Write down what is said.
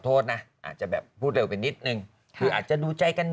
โทษนะอาจจะแบบพูดเร็วไปนิดนึงคืออาจจะดูใจกัน